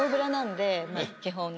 基本ね。